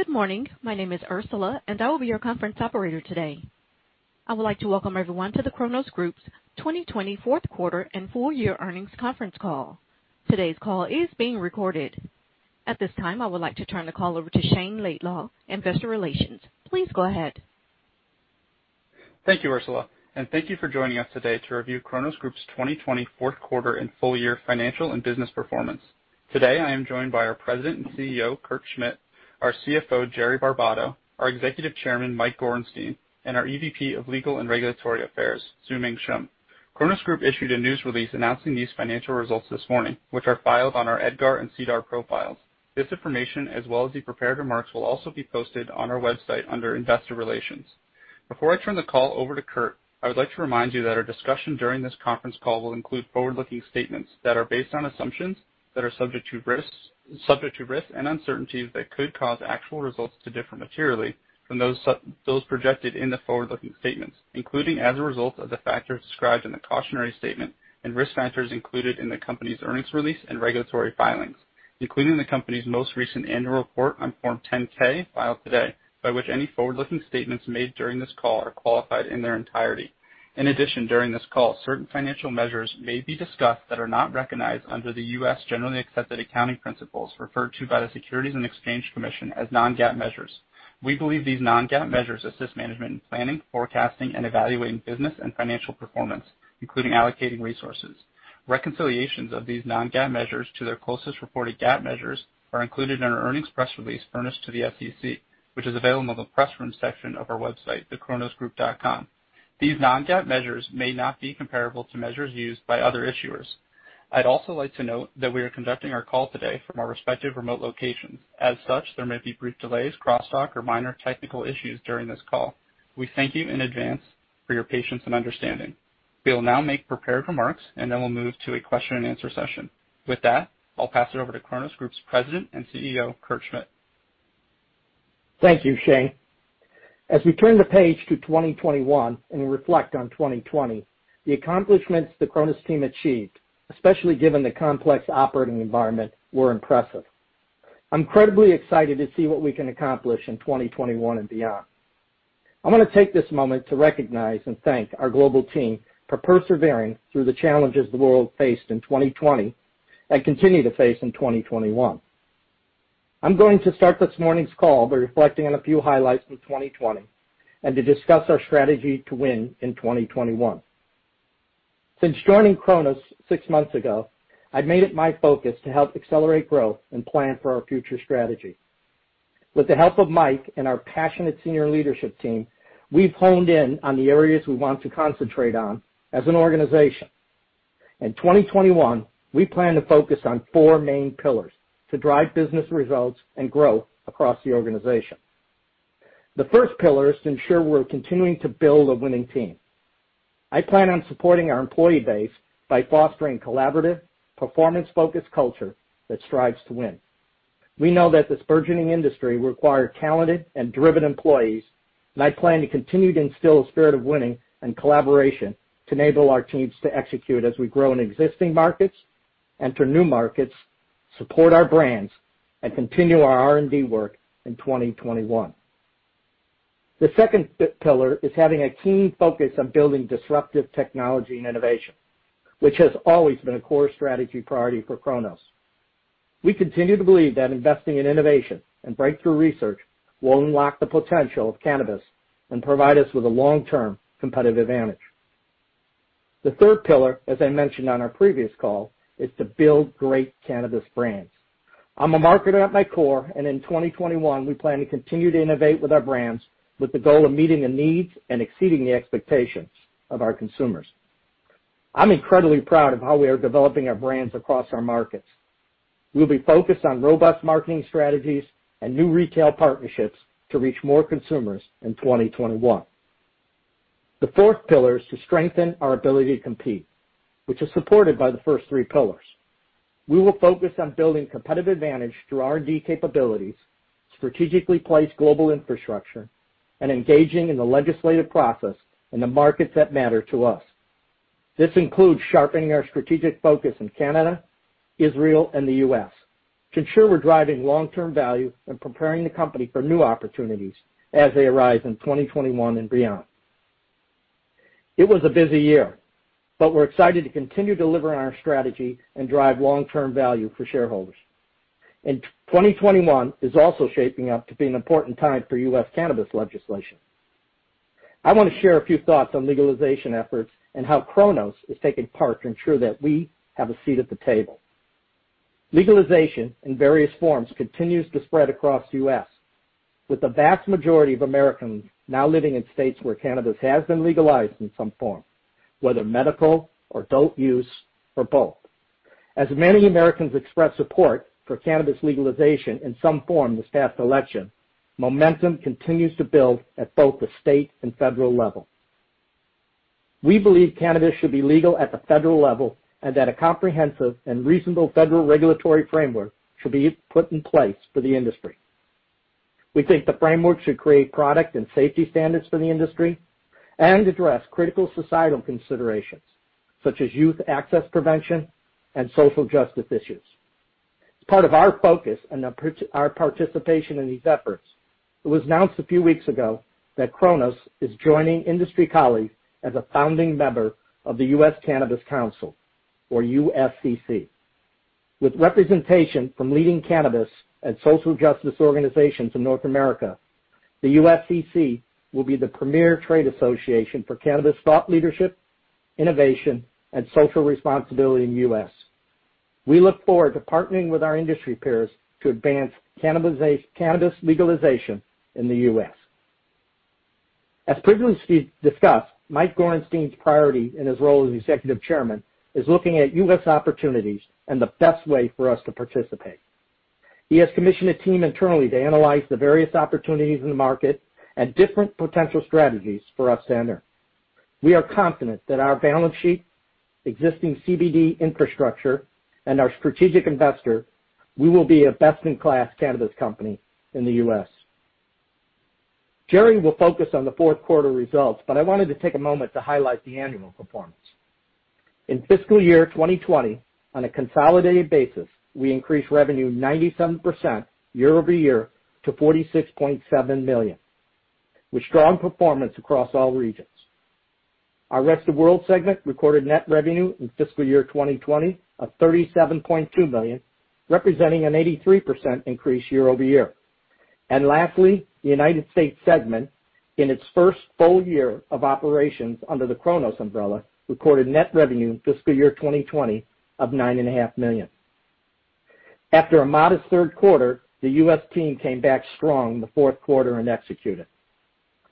Good morning. My name is Ursula, and I will be your conference operator today. I would like to welcome everyone to the Cronos Group's 2020 fourth quarter and full year earnings conference call. Today's call is being recorded. At this time, I would like to turn the call over to Shayne Laidlaw, Investor Relations. Please go ahead. Thank you, Ursula, and thank you for joining us today to review Cronos Group's 2020 fourth quarter and full year financial and business performance. Today I am joined by our President and CEO, Kurt Schmidt, our CFO, Jerry Barbato, our Executive Chairman, Mike Gorenstein, and our EVP of Legal and Regulatory Affairs, Xiuming Shum. Cronos Group issued a news release announcing these financial results this morning, which are filed on our EDGAR and SEDAR profiles. This information, as well as the prepared remarks, will also be posted on our website under investor relations. Before I turn the call over to Kurt, I would like to remind you that our discussion during this conference call will include forward-looking statements that are based on assumptions that are subject to risks and uncertainties that could cause actual results to differ materially from those projected in the forward-looking statements, including as a result of the factors described in the cautionary statement and risk factors included in the company's earnings release and regulatory filings, including the company's most recent annual report on Form 10-K filed today, by which any forward-looking statements made during this call are qualified in their entirety. During this call, certain financial measures may be discussed that are not recognized under the U.S. Generally Accepted Accounting Principles, referred to by the Securities and Exchange Commission as non-GAAP measures. We believe these non-GAAP measures assist management in planning, forecasting, and evaluating business and financial performance, including allocating resources. Reconciliations of these non-GAAP measures to their closest reported GAAP measures are included in our earnings press release furnished to the SEC, which is available in the press room section of our website, thecronosgroup.com. These non-GAAP measures may not be comparable to measures used by other issuers. I'd also like to note that we are conducting our call today from our respective remote locations. As such, there may be brief delays, crosstalk, or minor technical issues during this call. We thank you in advance for your patience and understanding. We will now make prepared remarks, and then we'll move to a question-and-answer session. With that, I'll pass it over to Cronos Group's President and CEO, Kurt Schmidt. Thank you, Shayne. As we turn the page to 2021 and reflect on 2020, the accomplishments the Cronos team achieved, especially given the complex operating environment, were impressive. I'm incredibly excited to see what we can accomplish in 2021 and beyond. I want to take this moment to recognize and thank our global team for persevering through the challenges the world faced in 2020 and continue to face in 2021. I'm going to start this morning's call by reflecting on a few highlights from 2020 and to discuss our strategy to win in 2021. Since joining Cronos six months ago, I've made it my focus to help accelerate growth and plan for our future strategy. With the help of Mike and our passionate senior leadership team, we've honed in on the areas we want to concentrate on as an organization. In 2021, we plan to focus on four main pillars to drive business results and growth across the organization. The first pillar is to ensure we're continuing to build a winning team. I plan on supporting our employee base by fostering collaborative, performance-focused culture that strives to win. We know that this burgeoning industry requires talented and driven employees, and I plan to continue to instill a spirit of winning and collaboration to enable our teams to execute as we grow in existing markets, enter new markets, support our brands, and continue our R&D work in 2021. The second pillar is having a keen focus on building disruptive technology and innovation, which has always been a core strategy priority for Cronos. We continue to believe that investing in innovation and breakthrough research will unlock the potential of cannabis and provide us with a long-term competitive advantage. The third pillar, as I mentioned on our previous call, is to build great cannabis brands. I'm a marketer at my core, and in 2021, we plan to continue to innovate with our brands with the goal of meeting the needs and exceeding the expectations of our consumers. I'm incredibly proud of how we are developing our brands across our markets. We'll be focused on robust marketing strategies and new retail partnerships to reach more consumers in 2021. The fourth pillar is to strengthen our ability to compete, which is supported by the first three pillars. We will focus on building competitive advantage through R&D capabilities, strategically place global infrastructure, and engaging in the legislative process in the markets that matter to us. This includes sharpening our strategic focus in Canada, Israel, and the U.S. to ensure we're driving long-term value and preparing the company for new opportunities as they arise in 2021 and beyond. It was a busy year, but we're excited to continue delivering on our strategy and drive long-term value for shareholders. 2021 is also shaping up to be an important time for U.S. cannabis legislation. I want to share a few thoughts on legalization efforts and how Cronos is taking part to ensure that we have a seat at the table. Legalization in various forms continues to spread across the U.S., with the vast majority of Americans now living in states where cannabis has been legalized in some form, whether medical, adult use, or both. As many Americans expressed support for cannabis legalization in some form this past election, momentum continues to build at both the state and federal level. We believe cannabis should be legal at the federal level and that a comprehensive and reasonable federal regulatory framework should be put in place for the industry. We think the framework should create product and safety standards for the industry and address critical societal considerations, such as youth access prevention and social justice issues. As part of our focus and our participation in these efforts, it was announced a few weeks ago that Cronos is joining industry colleagues as a founding member of the U.S. Cannabis Council, or USCC. With representation from leading cannabis and social justice organizations in North America, the USCC will be the premier trade association for cannabis thought leadership, innovation, and social responsibility in the U.S. We look forward to partnering with our industry peers to advance cannabis legalization in the U.S. As previously discussed, Mike Gorenstein's priority in his role as Executive Chairman is looking at U.S. opportunities and the best way for us to participate. He has commissioned a team internally to analyze the various opportunities in the market and different potential strategies for us to enter. We are confident that our balance sheet, existing CBD infrastructure, and our strategic investor, we will be a best-in-class cannabis company in the U.S. Jerry will focus on the fourth quarter results, but I wanted to take a moment to highlight the annual performance. In fiscal year 2020, on a consolidated basis, we increased revenue 97% year-over-year to 46.7 million, with strong performance across all regions. Our rest of world segment recorded net revenue in fiscal year 2020 of 37.2 million, representing an 83% increase year-over-year. Lastly, the U.S. segment, in its first full year of operations under the Cronos umbrella, recorded net revenue in fiscal year 2020 of 9.5 million. After a modest third quarter, the U.S. team came back strong in the fourth quarter and executed.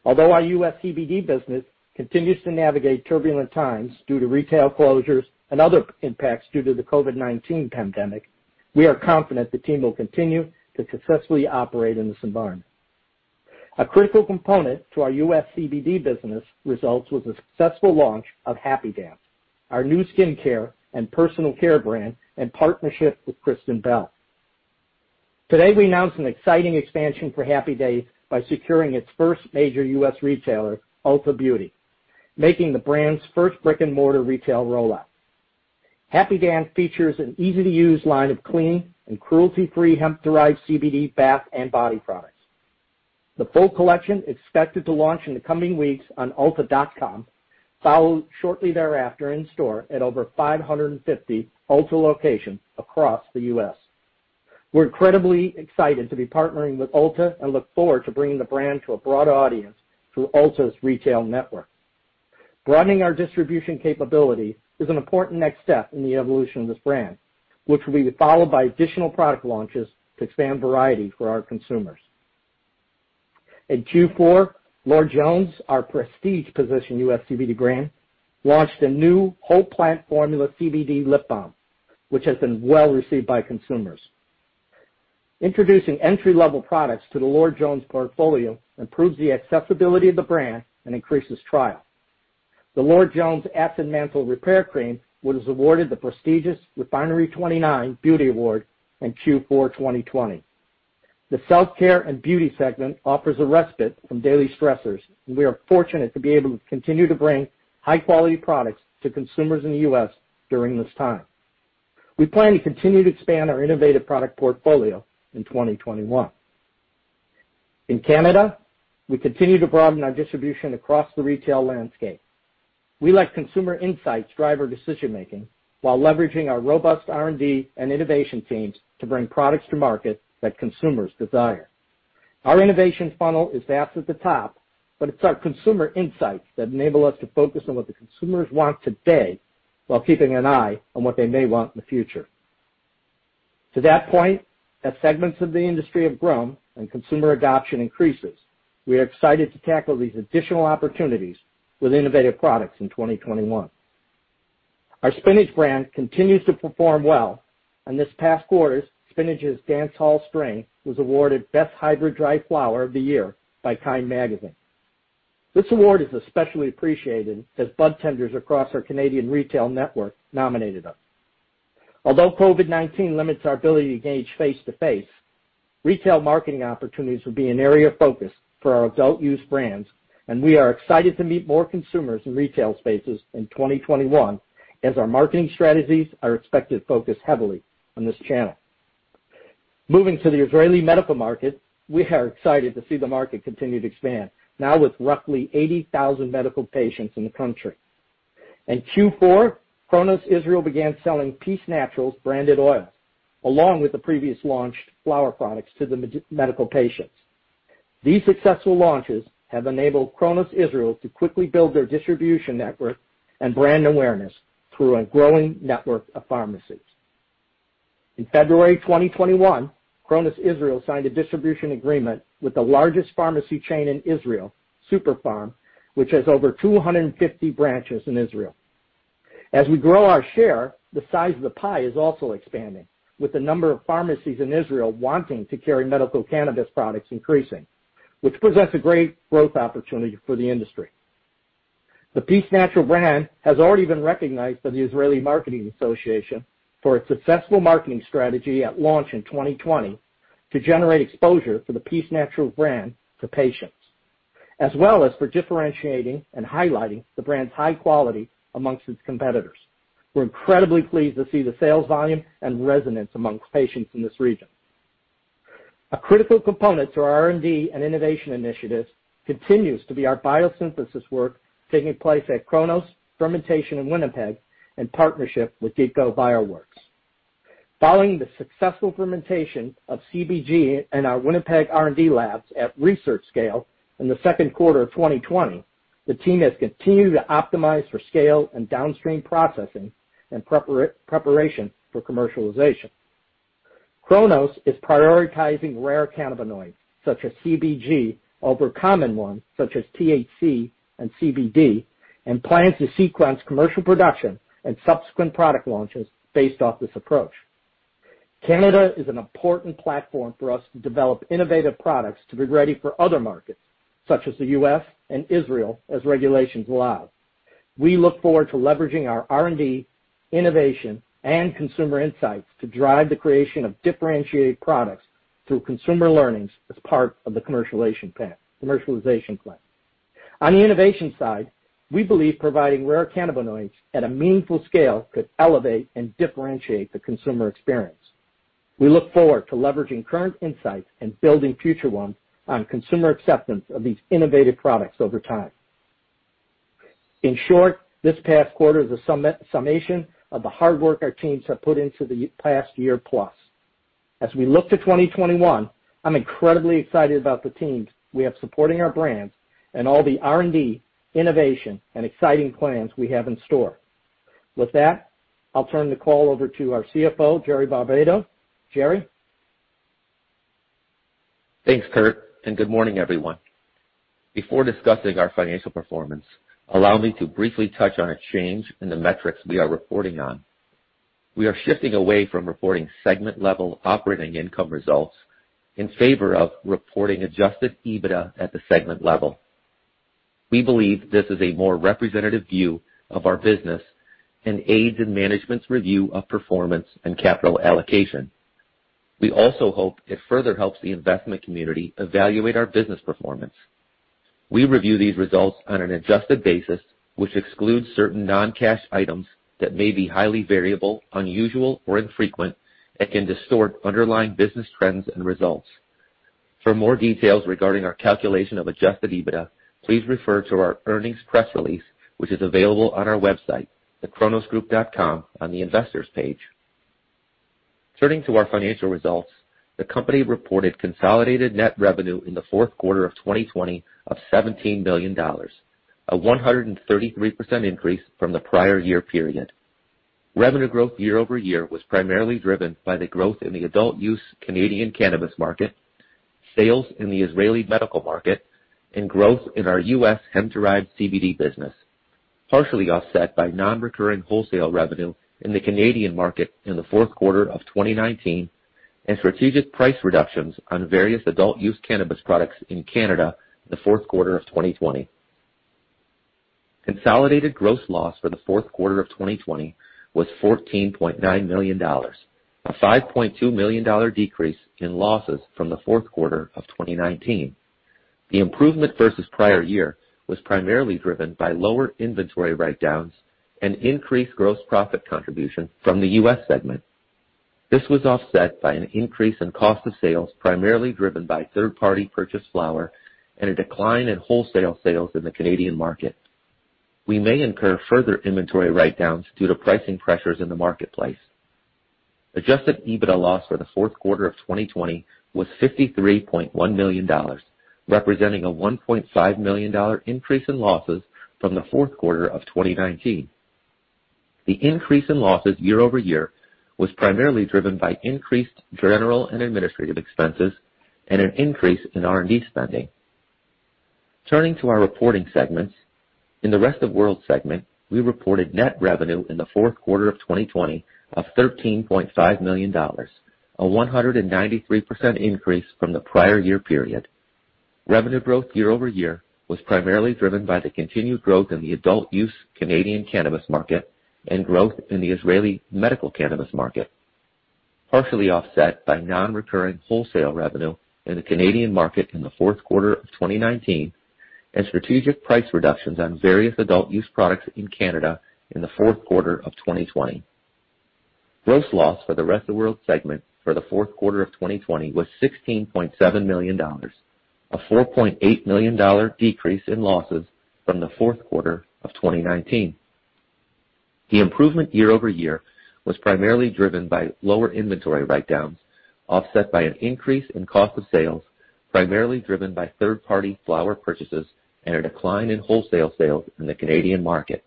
Although our U.S. CBD business continues to navigate turbulent times due to retail closures and other impacts due to the COVID-19 pandemic, we are confident the team will continue to successfully operate in this environment. A critical component to our U.S. CBD business results was the successful launch of Happy Dance, our new skincare and personal care brand and partnership with Kristen Bell. Today, we announce an exciting expansion for Happy Dance by securing its first major U.S. retailer, Ulta Beauty, making the brand's first brick-and-mortar retail rollout. Happy Dance features an easy-to-use line of clean and cruelty-free hemp-derived CBD bath and body products. The full collection, expected to launch in the coming weeks on ulta.com, followed shortly thereafter in store at over 550 Ulta locations across the U.S. We're incredibly excited to be partnering with Ulta and look forward to bringing the brand to a broader audience through Ulta's retail network. Broadening our distribution capability is an important next step in the evolution of this brand, which will be followed by additional product launches to expand variety for our consumers. In Q4, Lord Jones, our prestige position U.S. CBD brand, launched a new whole plant formula CBD lip balm, which has been well-received by consumers. Introducing entry-level products to the Lord Jones portfolio improves the accessibility of the brand and increases trial. The Lord Jones Acid Mantle Repair Cream was awarded the prestigious Refinery29 Beauty Innovator Awards in Q4 2020. The self-care and beauty segment offers a respite from daily stressors, and we are fortunate to be able to continue to bring high-quality products to consumers in the U.S. during this time. We plan to continue to expand our innovative product portfolio in 2021. In Canada, we continue to broaden our distribution across the retail landscape. We let consumer insights drive our decision-making while leveraging our robust R&D and innovation teams to bring products to market that consumers desire. Our innovation funnel is vast at the top, but it's our consumer insights that enable us to focus on what the consumers want today while keeping an eye on what they may want in the future. To that point, as segments of the industry have grown and consumer adoption increases, we are excited to tackle these additional opportunities with innovative products in 2021. Our Spinach brand continues to perform well, and this past quarter, Spinach's Dancehall strain was awarded best hybrid dry flower of the year by Kind Magazine. This award is especially appreciated as budtenders across our Canadian retail network nominated us. Although COVID-19 limits our ability to engage face-to-face, retail marketing opportunities will be an area of focus for our adult use brands, and we are excited to meet more consumers in retail spaces in 2021 as our marketing strategies are expected to focus heavily on this channel. Moving to the Israeli medical market, we are excited to see the market continue to expand, now with roughly 80,000 medical patients in the country. In Q4, Cronos Israel began selling Peace Naturals branded oils, along with the previously launched flower products to the medical patients. These successful launches have enabled Cronos Israel to quickly build their distribution network and brand awareness through a growing network of pharmacies. In February 2021, Cronos Israel signed a distribution agreement with the largest pharmacy chain in Israel, Super-Pharm, which has over 250 branches in Israel. As we grow our share, the size of the pie is also expanding, with the number of pharmacies in Israel wanting to carry medical cannabis products increasing, which presents a great growth opportunity for the industry. The Peace Naturals brand has already been recognized by the Israeli Marketing Association for its successful marketing strategy at launch in 2020. To generate exposure for the Peace Naturals brand to patients, as well as for differentiating and highlighting the brand's high quality amongst its competitors. We're incredibly pleased to see the sales volume and resonance amongst patients in this region. A critical component to our R&D and innovation initiatives continues to be our biosynthesis work taking place at Cronos Fermentation in Winnipeg, in partnership with Ginkgo Bioworks. Following the successful fermentation of CBG in our Winnipeg R&D labs at research scale in the second quarter of 2020, the team has continued to optimize for scale and downstream processing in preparation for commercialization. Cronos is prioritizing rare cannabinoids, such as CBG, over common ones, such as THC and CBD, and plans to sequence commercial production and subsequent product launches based off this approach. Canada is an important platform for us to develop innovative products to be ready for other markets, such as the U.S. and Israel, as regulations allow. We look forward to leveraging our R&D, innovation, and consumer insights to drive the creation of differentiated products through consumer learnings as part of the commercialization plan. On the innovation side, we believe providing rare cannabinoids at a meaningful scale could elevate and differentiate the consumer experience. We look forward to leveraging current insights and building future ones on consumer acceptance of these innovative products over time. In short, this past quarter is a summation of the hard work our teams have put into the past year plus. As we look to 2021, I'm incredibly excited about the teams we have supporting our brands and all the R&D, innovation, and exciting plans we have in store. With that, I'll turn the call over to our CFO, Jerry Barbato. Jerry? Thanks, Kurt. Good morning, everyone. Before discussing our financial performance, allow me to briefly touch on a change in the metrics we are reporting on. We are shifting away from reporting segment-level operating income results in favor of reporting adjusted EBITDA at the segment level. We believe this is a more representative view of our business and aids in management's review of performance and capital allocation. We also hope it further helps the investment community evaluate our business performance. We review these results on an adjusted basis, which excludes certain non-cash items that may be highly variable, unusual, or infrequent, and can distort underlying business trends and results. For more details regarding our calculation of adjusted EBITDA, please refer to our earnings press release, which is available on our website, thecronosgroup.com, on the Investors page. Turning to our financial results, the company reported consolidated net revenue in the fourth quarter of 2020 of 17 million dollars, a 133% increase from the prior year period. Revenue growth year-over-year was primarily driven by the growth in the adult use Canadian cannabis market, sales in the Israeli medical market, and growth in our U.S. hemp-derived CBD business, partially offset by non-recurring wholesale revenue in the Canadian market in the fourth quarter of 2019 and strategic price reductions on various adult use cannabis products in Canada in the fourth quarter of 2020. Consolidated gross loss for the fourth quarter of 2020 was 14.9 million dollars, a 5.2 million dollar decrease in losses from the fourth quarter of 2019. The improvement versus prior year was primarily driven by lower inventory write-downs and increased gross profit contribution from the U.S. segment. This was offset by an increase in cost of sales, primarily driven by third-party purchased flower, and a decline in wholesale sales in the Canadian market. We may incur further inventory write-downs due to pricing pressures in the marketplace. Adjusted EBITDA loss for the fourth quarter of 2020 was 53.1 million dollars, representing a 1.5 million dollar increase in losses from the fourth quarter of 2019. The increase in losses year-over-year was primarily driven by increased general and administrative expenses and an increase in R&D spending. Turning to our reporting segments, in the rest of world segment, we reported net revenue in the fourth quarter of 2020 of 13.5 million dollars, a 193% increase from the prior year period. Revenue growth year-over-year was primarily driven by the continued growth in the adult-use Canadian cannabis market and growth in the Israeli medical cannabis market, partially offset by non-recurring wholesale revenue in the Canadian market in the fourth quarter of 2019 and strategic price reductions on various adult-use products in Canada in the fourth quarter of 2020. Gross loss for the rest of world segment for the fourth quarter of 2020 was 16.7 million dollars, a 4.8 million dollar decrease in losses from the fourth quarter of 2019. The improvement year-over-year was primarily driven by lower inventory write-downs, offset by an increase in cost of sales, primarily driven by third-party flower purchases, and a decline in wholesale sales in the Canadian market.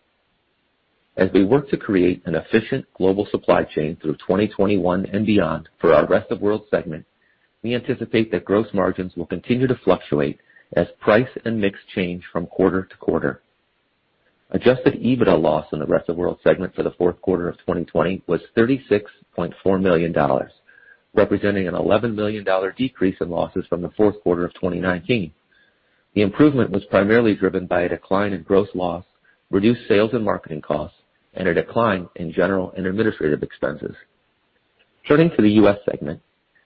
As we work to create an efficient global supply chain through 2021 and beyond for our rest of world segment, we anticipate that gross margins will continue to fluctuate as price and mix change from quarter to quarter. Adjusted EBITDA loss in the rest of world segment for the fourth quarter of 2020 was 36.4 million dollars, representing a 11 million dollar decrease in losses from the fourth quarter of 2019. The improvement was primarily driven by a decline in gross loss, reduced sales and marketing costs, and a decline in general and administrative expenses. Turning to the U.S. segment,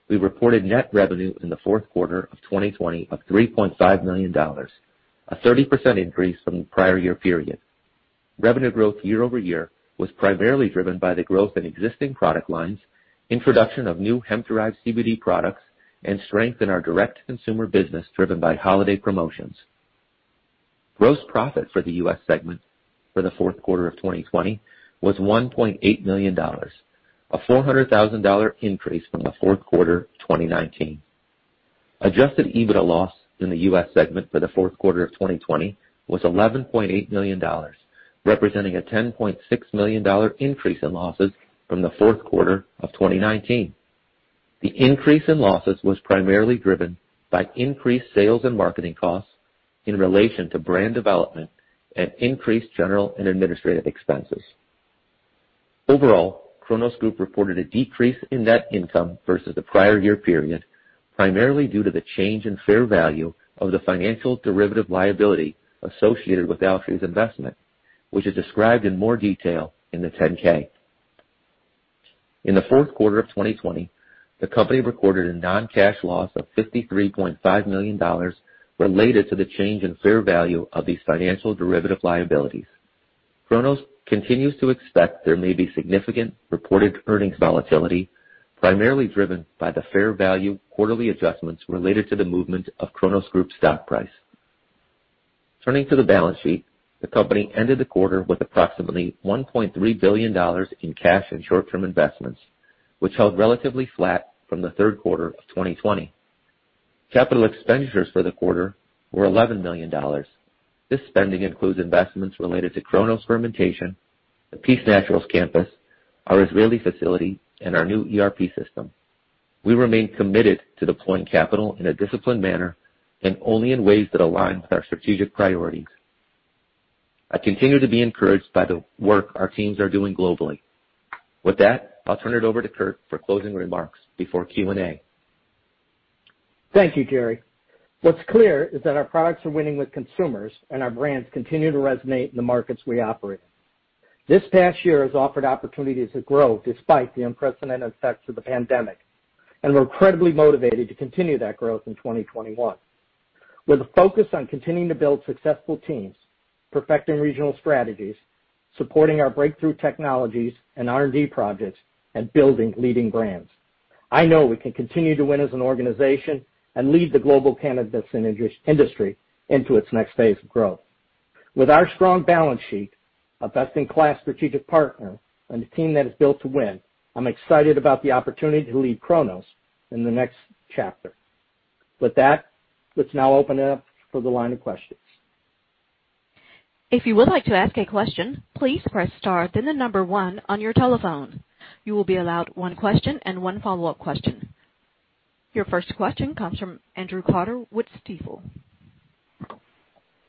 we reported net revenue in the fourth quarter of 2020 of 3.5 million dollars, a 30% increase from the prior year period. Revenue growth year-over-year was primarily driven by the growth in existing product lines, introduction of new hemp-derived CBD products, and strength in our direct-to-consumer business, driven by holiday promotions. Gross profit for the U.S. segment for the fourth quarter of 2020 was 1.8 million dollars, a 400,000 dollar increase from the fourth quarter of 2019. Adjusted EBITDA loss in the U.S. segment for the fourth quarter of 2020 was 11.8 million dollars, representing a 10.6 million dollar increase in losses from the fourth quarter of 2019. The increase in losses was primarily driven by increased sales and marketing costs in relation to brand development and increased general and administrative expenses. Overall, Cronos Group reported a decrease in net income versus the prior year period, primarily due to the change in fair value of the financial derivative liability associated with Altria's investment, which is described in more detail in the 10-K. In the fourth quarter of 2020, the company recorded a non-cash loss of 53.5 million dollars related to the change in fair value of these financial derivative liabilities. Cronos continues to expect there may be significant reported earnings volatility, primarily driven by the fair value quarterly adjustments related to the movement of Cronos Group's stock price. Turning to the balance sheet, the company ended the quarter with approximately 1.3 billion dollars in cash and short-term investments, which held relatively flat from the third quarter of 2020. Capital expenditures for the quarter were 11 million dollars. This spending includes investments related to Cronos Fermentation, the Peace Naturals campus, our Israeli facility, and our new ERP system. We remain committed to deploying capital in a disciplined manner and only in ways that align with our strategic priorities. I continue to be encouraged by the work our teams are doing globally. With that, I'll turn it over to Kurt for closing remarks before Q&A. Thank you, Jerry. What's clear is that our products are winning with consumers, and our brands continue to resonate in the markets we operate in. This past year has offered opportunities to grow despite the unprecedented effects of the pandemic, and we're incredibly motivated to continue that growth in 2021. With a focus on continuing to build successful teams, perfecting regional strategies, supporting our breakthrough technologies and R&D projects, and building leading brands, I know we can continue to win as an organization and lead the global cannabis industry into its next phase of growth. With our strong balance sheet, a best-in-class strategic partner, and a team that is built to win, I'm excited about the opportunity to lead Cronos in the next chapter. With that, let's now open it up for the line of questions. Your first question comes from Andrew Carter with Stifel.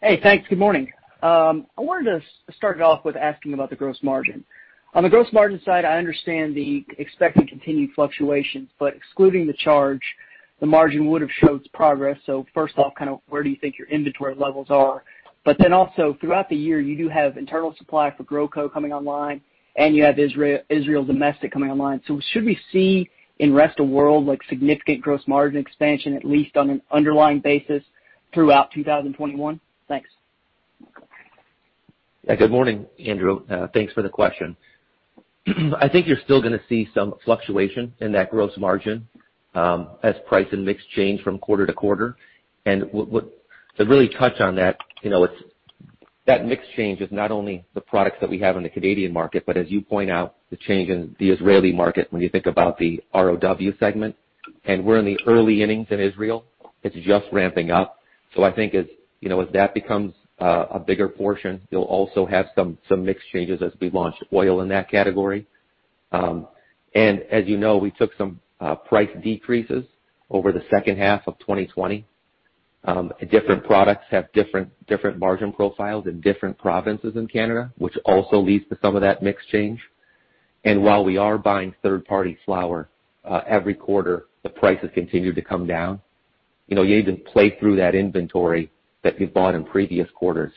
Hey, thanks. Good morning. I wanted to start off with asking about the gross margin. On the gross margin side, I understand the expected continued fluctuations, but excluding the charge, the margin would have showed progress. First off, where do you think your inventory levels are? Also, throughout the year, you do have internal supply for GrowCo coming online, and you have Israel domestic coming online. Should we see in rest of world significant gross margin expansion, at least on an underlying basis, throughout 2021? Thanks. Good morning, Andrew. Thanks for the question. I think you're still going to see some fluctuation in that gross margin as price and mix change from quarter to quarter. To really touch on that mix change is not only the products that we have in the Canadian market, but as you point out, the change in the Israeli market when you think about the ROW segment, and we're in the early innings in Israel. It's just ramping up. I think as that becomes a bigger portion, you'll also have some mix changes as we launch oil in that category. As you know, we took some price decreases over the second half of 2020. Different products have different margin profiles in different provinces in Canada, which also leads to some of that mix change. While we are buying third-party flower every quarter, the prices continue to come down. You need to play through that inventory that you bought in previous quarters.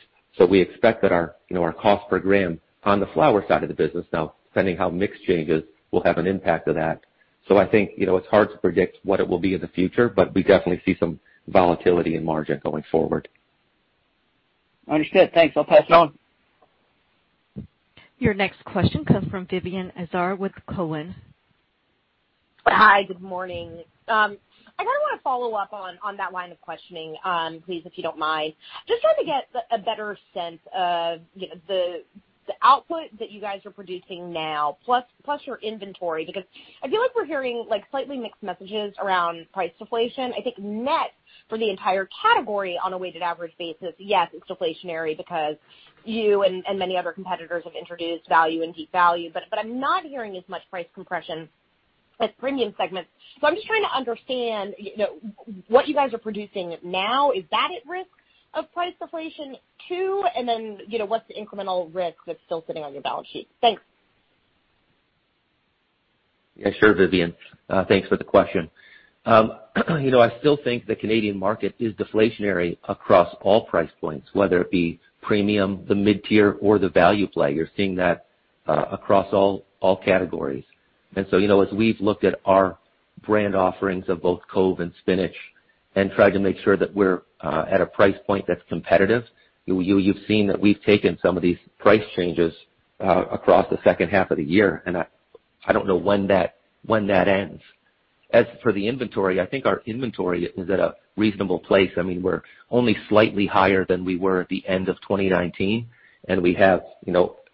We expect that our cost per gram on the flower side of the business now, depending how mix changes, will have an impact to that. I think it's hard to predict what it will be in the future, but we definitely see some volatility in margin going forward. Understood. Thanks. I'll pass it on. Your next question comes from Vivien Azer with Cowen. Hi. Good morning. I want to follow up on that line of questioning, please, if you don't mind. Just trying to get a better sense of the output that you guys are producing now, plus your inventory, because I feel like we're hearing slightly mixed messages around price deflation. I think net for the entire category on a weighted average basis, yes, it's deflationary because you and many other competitors have introduced value and deep value, but I'm not hearing as much price compression at premium segments. I'm just trying to understand what you guys are producing now. Is that at risk of price deflation too? What's the incremental risk that's still sitting on your balance sheet? Thanks. Yeah, sure, Vivien. Thanks for the question. I still think the Canadian market is deflationary across all price points, whether it be premium, the mid-tier, or the value play. You're seeing that across all categories. As we've looked at our brand offerings of both Cove and Spinach and tried to make sure that we're at a price point that's competitive, you've seen that we've taken some of these price changes across the second half of the year, and I don't know when that ends. As for the inventory, I think our inventory is at a reasonable place. We're only slightly higher than we were at the end of 2019, and we have,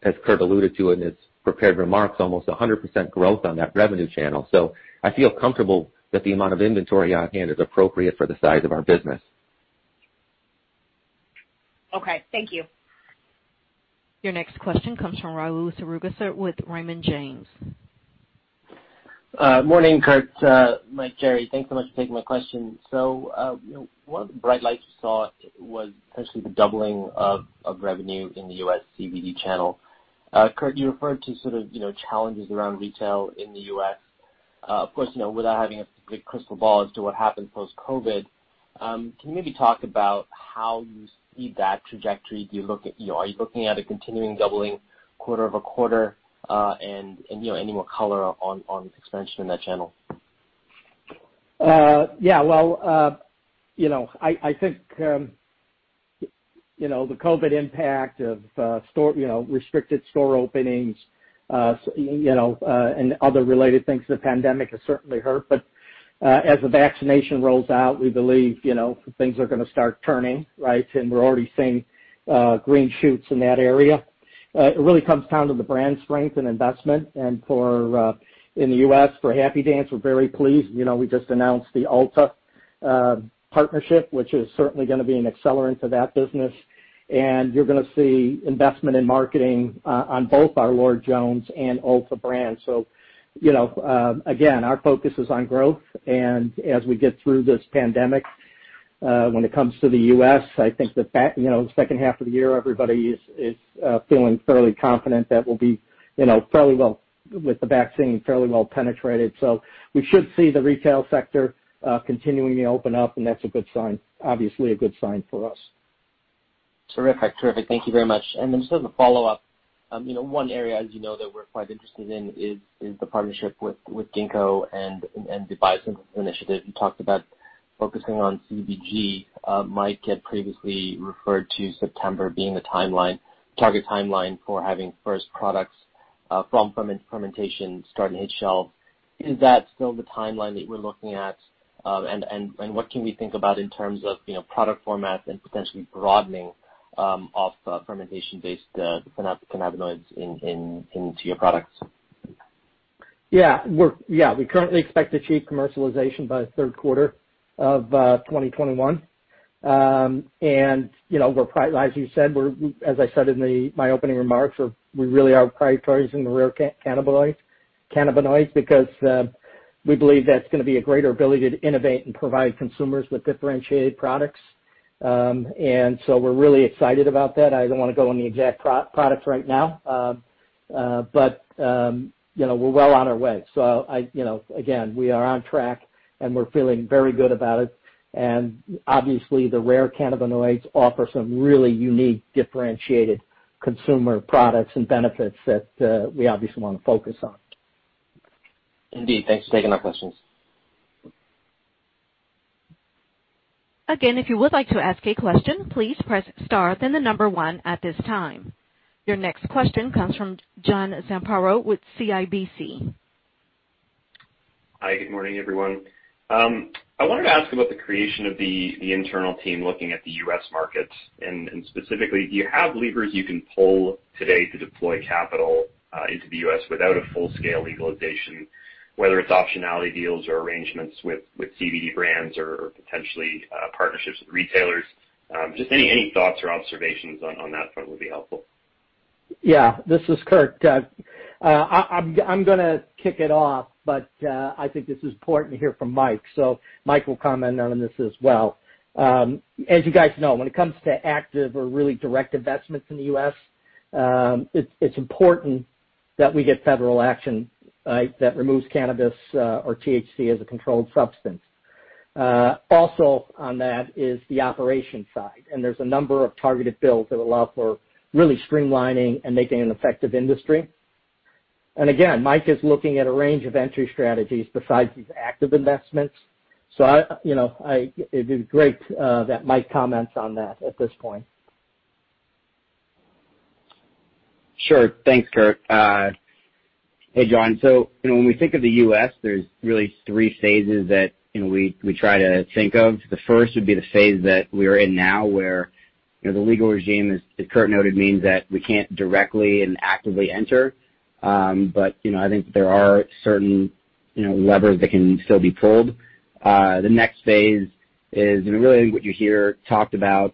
as Kurt alluded to in his prepared remarks, almost 100% growth on that revenue channel. I feel comfortable that the amount of inventory on hand is appropriate for the size of our business. Okay. Thank you. Your next question comes from Rahul Sarugaser with Raymond James. Morning, Kurt, Mike, Jerry. Thanks so much for taking my question. One of the bright lights you saw was essentially the doubling of revenue in the U.S. CBD channel. Kurt, you referred to challenges around retail in the U.S. Of course, without having a big crystal ball as to what happens post-COVID, can you maybe talk about how you see that trajectory? Are you looking at a continuing doubling quarter over quarter? Any more color on expansion in that channel? I think the COVID impact of restricted store openings, and other related things, the pandemic has certainly hurt. As the vaccination rolls out, we believe things are going to start turning, right? We're already seeing green shoots in that area. It really comes down to the brand strength and investment. In the U.S., for Happy Dance, we're very pleased. We just announced the Ulta partnership, which is certainly going to be an accelerant to that business. You're going to see investment in marketing on both our Lord Jones and Ulta brands. Again, our focus is on growth. As we get through this pandemic, when it comes to the U.S., I think the second half of the year, everybody is feeling fairly confident that we'll be, with the vaccine, fairly well penetrated. We should see the retail sector continuing to open up, and that's, obviously, a good sign for us. Terrific. Thank you very much. Then just as a follow-up, one area, as you know, that we're quite interested in is the partnership with Ginkgo and the biosynthesis initiative. You talked about focusing on CBG. Mike had previously referred to September being the target timeline for having first products from fermentation starting to hit shelves. Is that still the timeline that we're looking at? What can we think about in terms of product formats and potentially broadening of fermentation-based cannabinoids into your products? Yeah. We currently expect to achieve commercialization by the third quarter of 2021. As you said, as I said in my opening remarks, we really are prioritizing the rare cannabinoids because we believe that's going to be a greater ability to innovate and provide consumers with differentiated products. We're really excited about that. I don't want to go on the exact products right now. We're well on our way. Again, we are on track, and we're feeling very good about it. Obviously, the rare cannabinoids offer some really unique, differentiated consumer products and benefits that we obviously want to focus on. Indeed. Thanks for taking our questions. Again, if you would like to ask a question, please press star, then the number one at this time. Your next question comes from John Zamparo with CIBC. Hi, good morning, everyone. I wanted to ask about the creation of the internal team looking at the U.S. market, and specifically, do you have levers you can pull today to deploy capital into the U.S. without a full-scale legalization, whether it's optionality deals or arrangements with CBD brands or potentially partnerships with retailers? Just any thoughts or observations on that front would be helpful. Yeah. This is Kurt. I'm going to kick it off, but I think this is important to hear from Mike, so Mike will comment on this as well. As you guys know, when it comes to active or really direct investments in the U.S., it's important that we get federal action that removes cannabis or THC as a controlled substance. Also on that is the operation side, and there's a number of targeted bills that allow for really streamlining and making an effective industry. Again, Mike is looking at a range of entry strategies besides these active investments. It'd be great that Mike comments on that at this point. Sure. Thanks, Kurt. Hey, John. When we think of the U.S., there's really three phases that we try to think of. The first would be the phase that we are in now, where the legal regime, as Kurt noted, means that we can't directly and actively enter. I think there are certain levers that can still be pulled. The next phase is really what you hear talked about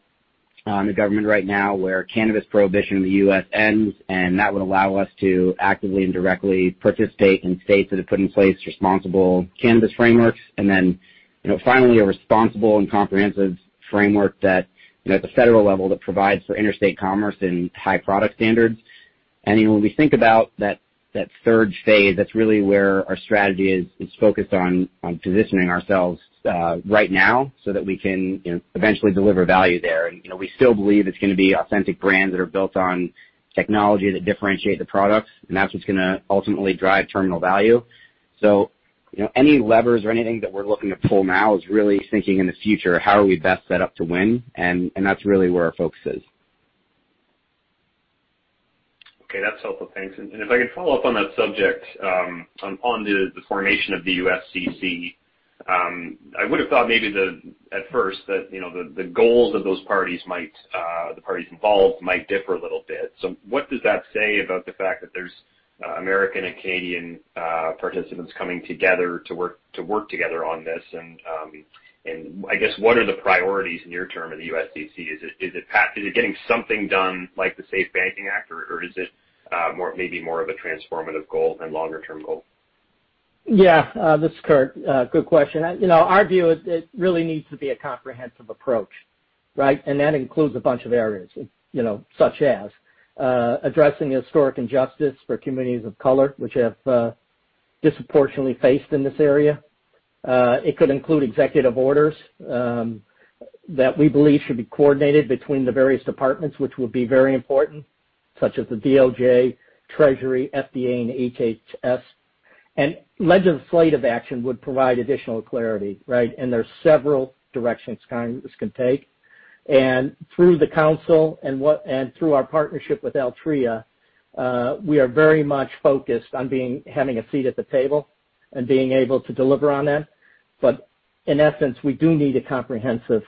in the government right now, where cannabis prohibition in the U.S. ends, and that would allow us to actively and directly participate in states that have put in place responsible cannabis frameworks. Finally, a responsible and comprehensive framework at the federal level that provides for interstate commerce and high product standards. When we think about that third phase, that's really where our strategy is focused on positioning ourselves right now so that we can eventually deliver value there. We still believe it's going to be authentic brands that are built on technology that differentiate the products, and that's what's going to ultimately drive terminal value. Any levers or anything that we're looking to pull now is really thinking in the future, how are we best set up to win? That's really where our focus is. Okay, that's helpful. Thanks. If I could follow up on that subject, on the formation of the USCC. I would've thought maybe at first that the goals of the parties involved might differ a little bit. What does that say about the fact that there's American-Canadian participants coming together to work together on this? I guess what are the priorities in your term of the USCC? Is it getting something done like the SAFE Banking Act, or is it maybe more of a transformative goal and longer-term goal? Yeah. This is Kurt. Good question. Our view is it really needs to be a comprehensive approach, right? That includes a bunch of areas, such as addressing historic injustice for communities of color, which have disproportionately faced in this area. It could include executive orders, that we believe should be coordinated between the various departments, which would be very important, such as the DOJ, Treasury, FDA, and HHS. Legislative action would provide additional clarity, right? There's several directions Congress can take. Through the council and through our partnership with Altria, we are very much focused on having a seat at the table and being able to deliver on that. In essence, we do need a comprehensive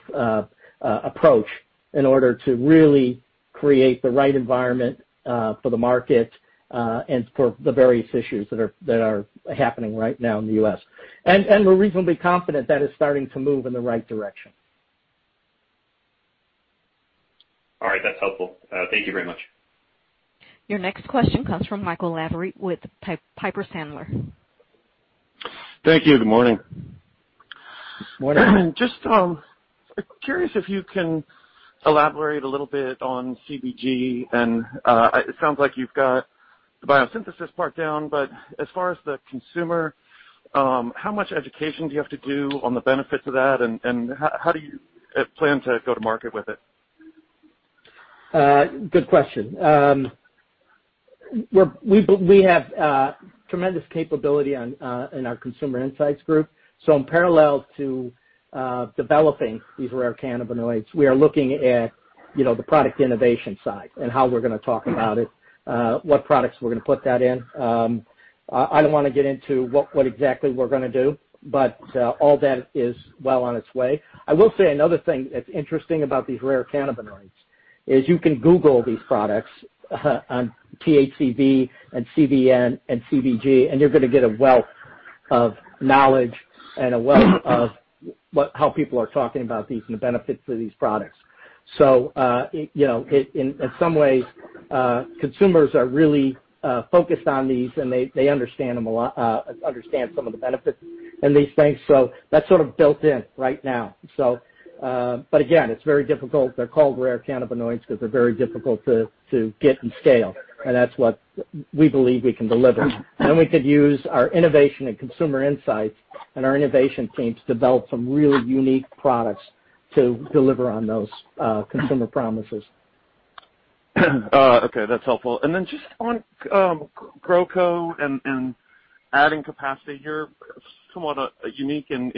approach in order to really create the right environment, for the market, and for the various issues that are happening right now in the U.S. We're reasonably confident that is starting to move in the right direction. All right. That's helpful. Thank you very much. Your next question comes from Michael Lavery with Piper Sandler. Thank you. Good morning. Morning. Just curious if you can elaborate a little bit on CBG and it sounds like you've got the biosynthesis part down, but as far as the consumer, how much education do you have to do on the benefits of that and how do you plan to go to market with it? Good question. We have tremendous capability in our consumer insights group. In parallel to developing these rare cannabinoids, we are looking at the product innovation side and how we're going to talk about it, what products we're going to put that in. I don't want to get into what exactly we're going to do, but all that is well on its way. I will say another thing that's interesting about these rare cannabinoids is you can google these products, THCV and CBN and CBG, and you're going to get a wealth of knowledge and a wealth of how people are talking about these and the benefits of these products. In some ways, consumers are really focused on these, and they understand some of the benefits in these things. That's sort of built-in right now. Again, it's very difficult. They're called rare cannabinoids because they're very difficult to get and scale. That's what we believe we can deliver. We could use our innovation and consumer insights and our innovation team to develop some really unique products to deliver on those consumer promises. Okay. That's helpful. Just on GrowCo and adding capacity, you're somewhat unique in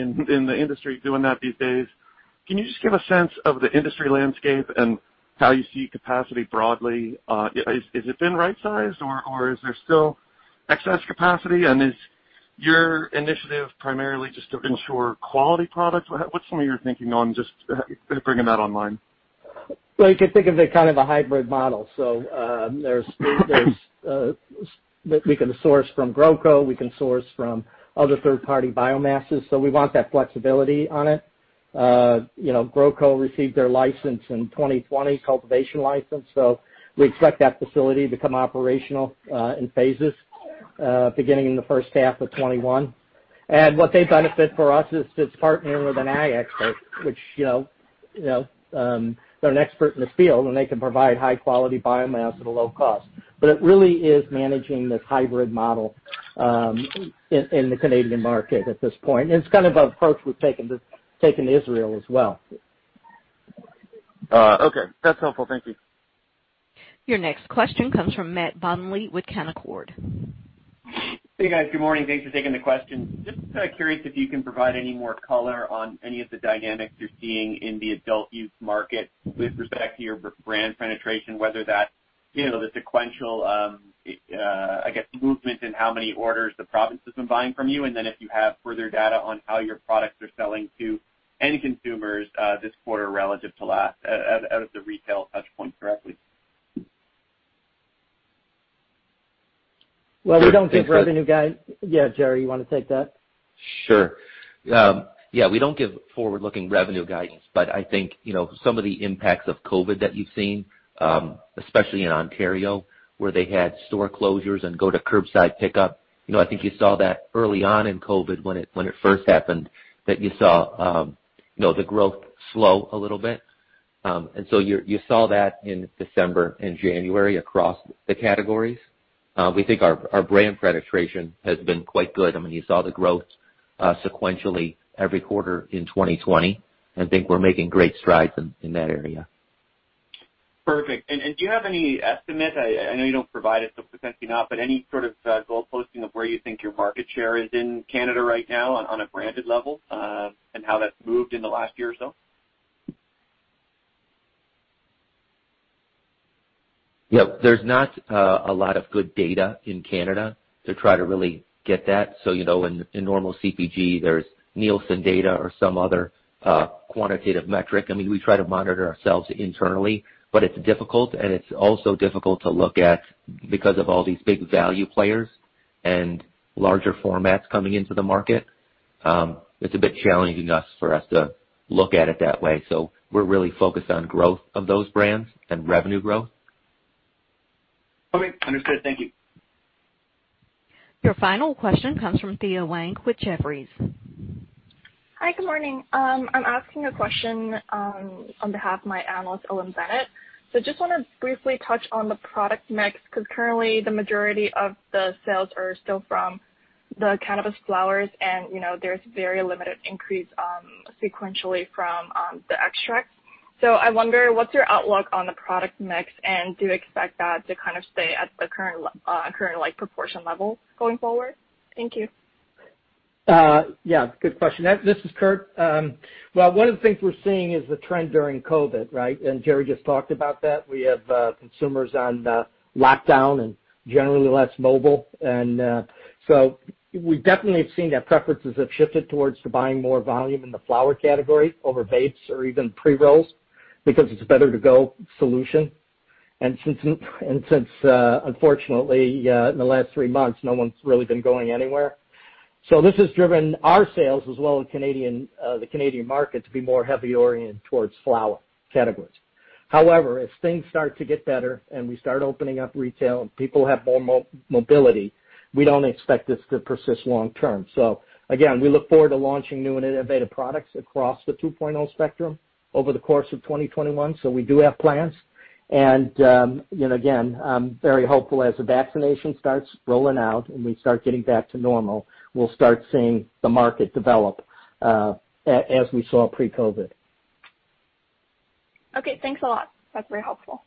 the industry doing that these days. Can you just give a sense of the industry landscape and how you see capacity broadly? Is it been right-sized, or is there still excess capacity, and is your initiative primarily just to ensure quality products? What's some of your thinking on just bringing that online? Well, you could think of it kind of a hybrid model. We can source from GrowCo, we can source from other third-party biomasses. We want that flexibility on it. GrowCo received their license in 2020, cultivation license. We expect that facility to become operational in phases, beginning in the first half of 2021. What they benefit for us is partnering with an ag expert, which they're an expert in the field, and they can provide high-quality biomass at a low cost. It really is managing this hybrid model in the Canadian market at this point. It's kind of an approach we've taken to Israel as well. Okay. That's helpful. Thank you. Your next question comes from Matt Bottomley with Canaccord. Hey, guys. Good morning. Thanks for taking the question. Just curious if you can provide any more color on any of the dynamics you're seeing in the adult use market with respect to your brand penetration, whether that, the sequential, I guess, movement in how many orders the province has been buying from you, and then if you have further data on how your products are selling to end consumers this quarter relative to last, out of the retail touch point directly? Well, we don't give revenue guide. Yeah, Jerry, you want to take that? Sure. Yeah, we don't give forward-looking revenue guidance, but I think, some of the impacts of COVID that you've seen, especially in Ontario, where they had store closures and go to curbside pickup. I think you saw that early on in COVID when it first happened, that you saw the growth slow a little bit. You saw that in December and January across the categories. We think our brand penetration has been quite good. I mean, you saw the growth sequentially every quarter in 2020, and think we're making great strides in that area. Perfect. Do you have any estimate? I know you don't provide it, so potentially not, but any sort of goal-posting of where you think your market share is in Canada right now on a branded level? How that's moved in the last year or so? Yeah. There's not a lot of good data in Canada to try to really get that. In normal CPG, there's Nielsen data or some other quantitative metric. I mean, we try to monitor ourselves internally, but it's difficult, and it's also difficult to look at because of all these big value players and larger formats coming into the market. It's a bit challenging for us to look at it that way. We're really focused on growth of those brands and revenue growth. Okay. Understood. Thank you. Your final question comes from [Thil Wank] with Jefferies. Hi, good morning. I'm asking a question on behalf of my analyst, Owen Bennett. Just want to briefly touch on the product mix, because currently, the majority of the sales are still from the cannabis flowers and there's very limited increase sequentially from the extract. I wonder, what's your outlook on the product mix, and do you expect that to kind of stay at the current proportion level going forward? Thank you. Yeah, good question. This is Kurt. Well, one of the things we're seeing is the trend during COVID, right? Jerry just talked about that. We have consumers on lockdown and generally less mobile. We definitely have seen that preferences have shifted towards to buying more volume in the flower category over vapes or even pre-rolls, because it's a better to go solution. Since unfortunately, in the last three months, no one's really been going anywhere. This has driven our sales as well in the Canadian market to be more heavy oriented towards flower categories. However, as things start to get better and we start opening up retail and people have more mobility, we don't expect this to persist long term. Again, we look forward to launching new and innovative products across the 2.0 spectrum over the course of 2021. We do have plans. Again, I'm very hopeful as the vaccination starts rolling out and we start getting back to normal, we'll start seeing the market develop, as we saw pre-COVID. Okay, thanks a lot. That's very helpful.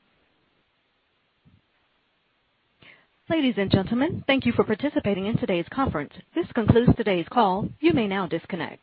Ladies and gentlemen, thank you for participating in today's conference. This concludes today's call. You may now disconnect.